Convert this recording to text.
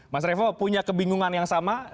mas revo punya kebingungan yang sama